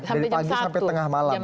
dari pagi sampai tengah malam